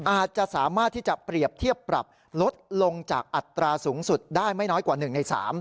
อาจจะสามารถที่จะเปรียบเทียบปรับลดลงจากอัตราสูงสุดได้ไม่น้อยกว่า๑ใน๓